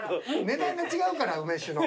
値段が違うから梅酒の。